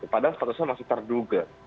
padahal sepatutnya masih terduga